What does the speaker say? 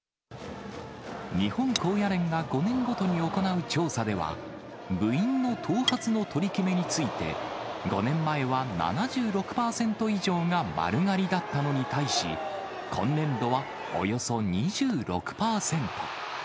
日本高野連が５年ごとに行う調査では、部員の頭髪の取り決めについて、５年前は７６％以上が丸刈りだったのに対し、今年度はおよそ２６％。